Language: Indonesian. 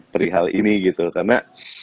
perihal ini gitu karena